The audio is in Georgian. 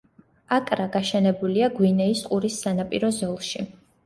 აკრა გაშენებულია გვინეის ყურის სანაპირო ზოლში.